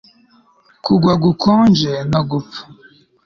kugwa gukonje no gupfa